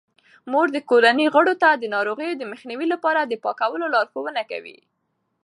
مور د کورنۍ غړو ته د ناروغیو د مخنیوي لپاره د پاکولو لارښوونه کوي.